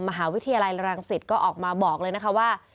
มหาวิทยาลัยรังสิตก็ออกมาบอกเลยนะคะว่า